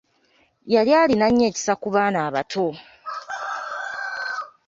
Yali lina nnyo ekisa ku baana abato.